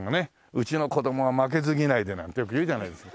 「うちの子供は負けず嫌いで」なんてよく言うじゃないですか。